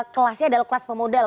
kelasnya adalah kelas pemodel